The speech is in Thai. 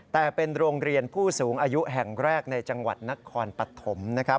แต่เป็นโรงเรียนผู้สูงอายุแห่งแรกในจังหวัดนครปฐมนะครับ